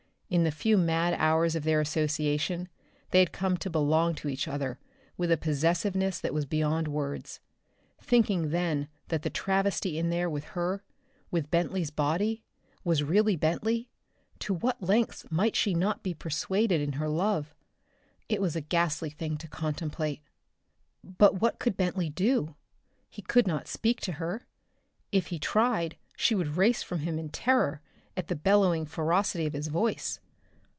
In the few mad hours of their association they had come to belong to each other with a possessiveness that was beyond words. Thinking then that the travesty in there with her with Bentley's body was really Bentley, to what lengths might she not be persuaded in her love? It was a ghastly thing to contemplate. But what could Bentley do? He could not speak to her. If he tried she would race from him in terror at the bellowing ferocity of his voice.